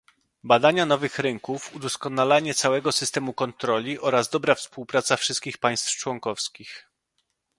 badania nowych rynków, udoskonalanie całego systemu kontroli oraz dobra współpraca wszystkich państw członkowskich